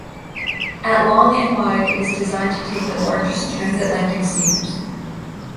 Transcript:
At long and wide it was designed to take the largest trans-Atlantic steamers.